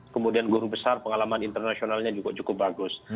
kemudian guru besar pengalaman internasionalnya juga cukup bagus